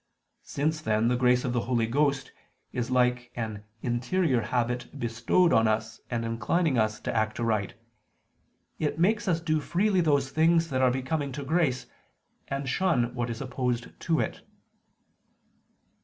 Since then the grace of the Holy Ghost is like an interior habit bestowed on us and inclining us to act aright, it makes us do freely those things that are becoming to grace, and shun what is opposed to it.